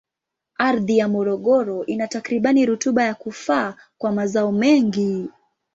Ardhi ya Morogoro ina takribani rutuba ya kufaa kwa mazao mengi.